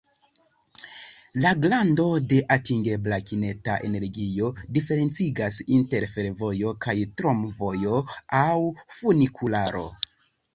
La grando de atingebla kineta energio diferencigas inter fervojo kaj tramvojo aŭ funikularo.